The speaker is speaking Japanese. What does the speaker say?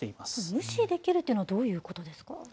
無視できるっていうのは、どういうことですか？